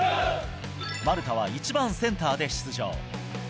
丸田は１番センターで出場。